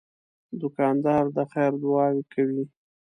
دوکاندار د خیر دعاوې کوي.